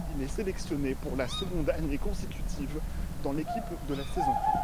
Il est sélectionné pour la seconde année consécutive dans l'équipe de la saison.